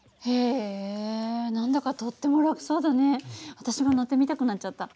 私も乗ってみたくなっちゃった。